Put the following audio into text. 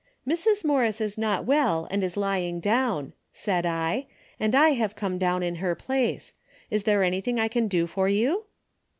"' Mrs. Morris is not well and is lying down,' said I, ' and I have come down in her place. Is there anything I can do for you